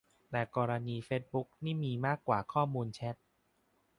แต่กรณีเฟซบุ๊กนี่มีมากกว่าข้อมูลแชต